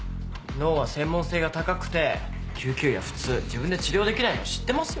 脳は専門性が高くて救急医は普通自分で治療できないの知ってますよね？